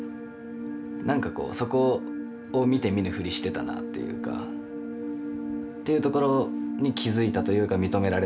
何かこうそこを見て見ぬふりしてたなっていうかっていうところに気付いたというか認められたみたいな。